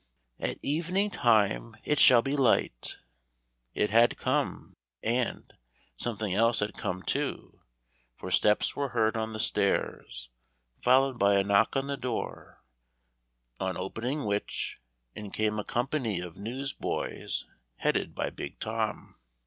"At evening time it shall be light." It had come, and something else had come, too, for steps were heard on the stairs, followed by a knock on the door, on opening which, in came a company of newsboys headed by big Tom.